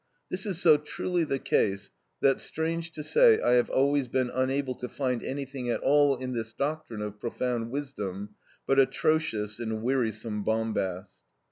This is so truly the case that, strange to say, I have always been unable to find anything at all in this doctrine of profound wisdom but atrocious and wearisome bombast.